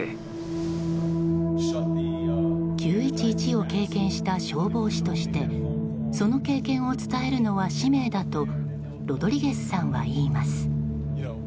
９・１１を経験した消防士としてその経験を伝えるのは使命だとロドリゲスさんは言います。